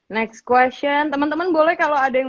next question temen temen boleh kalo ada yang